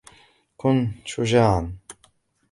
كان شجاعاً.